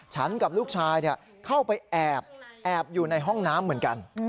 ฉันกับลูกชายเข้าไปแอบอยู่ในห้องน้ำเหมือนกัน